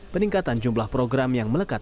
peningkatan jumlah program yang melekat